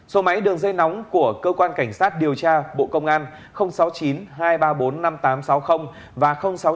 số máy đường dây nóng của cơ quan cảnh sát điều tra bộ công an sáu mươi chín hai trăm ba mươi bốn năm nghìn tám trăm sáu mươi và sáu mươi chín hai trăm ba mươi một một nghìn sáu trăm bảy